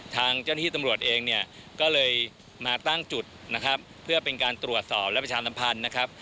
ทางเจ้าหน้าที่ตำรวจเองเนี่ยก็เลยมาตั้งจุดนะครับเพื่อเป็นการตรวจสอบและประชาสัมพันธ์นะครับ